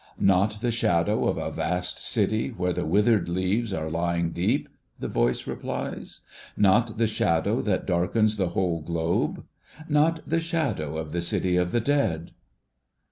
' Not the shadow of a vast City where the withered leaves are lying deep ?' the voice replies. ' Not the shadow that darkens the whole globe ? Not the shadow of the City of the Dead